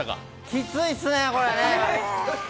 きついっすね、これね。